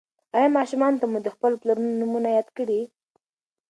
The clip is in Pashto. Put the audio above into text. ایا ماشومانو ته مو د خپلو پلرونو نومونه یاد کړي؟